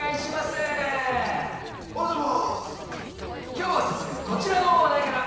今日は早速こちらの話題から！